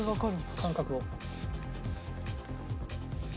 感覚を。